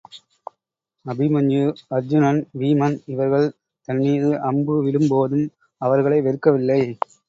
அபிமன்யு, அருச்சுனன், வீமன் இவர்கள் தன் மீது அம்பு விடும்போதும் அவர்களை வெறுக்கவில்லை.